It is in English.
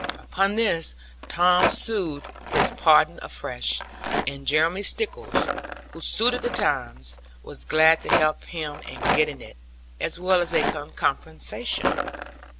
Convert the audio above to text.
Upon this, Tom sued his pardon afresh; and Jeremy Stickles, who suited the times, was glad to help him in getting it, as well as a compensation.